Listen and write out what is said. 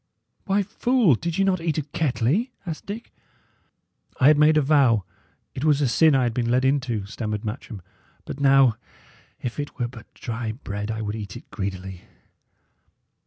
"Why, fool, did ye not eat at Kettley?" asked Dick. "I had made a vow it was a sin I had been led into," stammered Matcham; "but now, if it were but dry bread, I would eat it greedily."